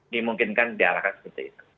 dimungkinkan di alangkan seperti itu